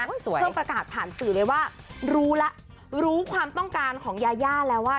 เพิ่งประกาศผ่านสื่อเลยว่ารู้แล้วรู้ความต้องการของยาย่าแล้วว่า